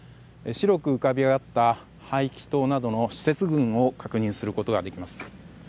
白く浮かび上がった排気塔などの施設群を確認することができます。